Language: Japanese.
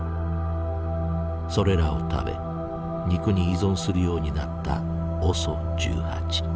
それらを食べ肉に依存するようになったＯＳＯ１８。